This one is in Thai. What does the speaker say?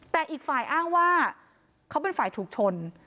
แต่อีกฝ่ายอ้างว่าเขาเป็นฝ่ายถูกชน